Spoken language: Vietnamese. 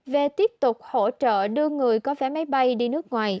về tiếp tục hỗ trợ đưa người có vé máy bay đi nước ngoài